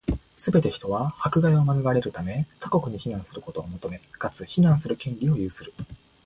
すべて人は、迫害を免れるため、他国に避難することを求め、かつ、避難する権利を有する。